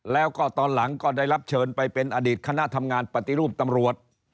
แล้วก็ตอนหลังก็ได้รับเชิญไปเป็นอดีตคณะทำงานปฏิรูปตำรวจ